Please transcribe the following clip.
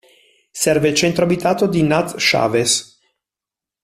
Serve il centro abitato di Naz-Sciaves.